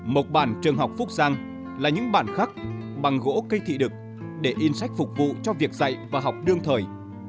mộc bản trường học phúc giang là những bản khắc bằng gỗ cây thị đực để in sách phục vụ cho việc dạy và học đương thời